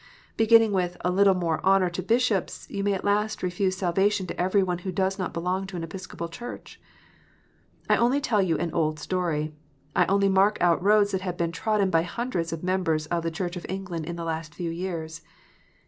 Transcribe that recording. Beginning with a "little more honour to bishops," you may at last refuse salvation to every one who does not belong to an Episcopal Church. I only tell an old story : I only mark out roads that have been trodden by hun dreds of members of the Church of England in the last few years.